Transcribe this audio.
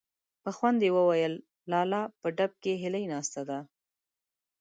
په خوند يې وويل: لالا! په ډب کې هيلۍ ناستې دي.